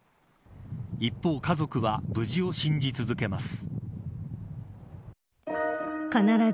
一方、家族は無事を信じ続けます。